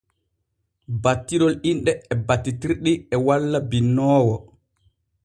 Battirol inɗe e battitirɗi e walla binnoowo.